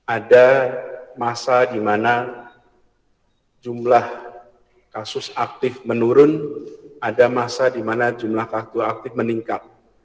ada masa di mana jumlah kasus aktif menurun ada masa di mana jumlah kargo aktif meningkat